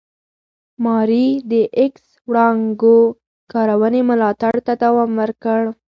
ماري د ایکس وړانګو کارونې ملاتړ ته دوام ورکړ.